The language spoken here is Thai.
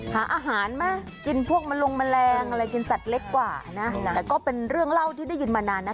หาอาหารไหมกินพวกแมลงแมลงอะไรกินสัตว์เล็กกว่านะแต่ก็เป็นเรื่องเล่าที่ได้ยินมานานนะคะ